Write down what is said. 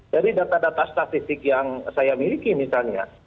dari data data statistik yang saya miliki misalnya